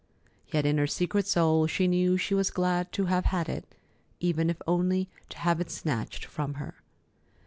Yet in her secret soul she knew she was glad to have had it, even if only to have it snatched from her.